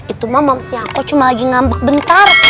itu mah mams ya aku cuma lagi ngambek bentar